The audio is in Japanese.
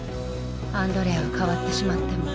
アンドレアは変わってしまったの。